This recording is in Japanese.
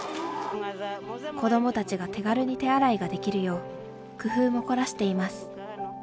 子どもたちが手軽に手洗いができるよう工夫も凝らしています。